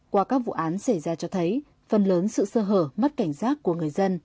qua các vụ án xảy ra cho thấy phần lớn sự sơ hở mất cảnh giác của người dân